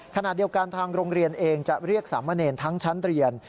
ขณะเดียวกันทางโรงเรียนเองจะเรียกสามเณรทั้งชั้นเรียน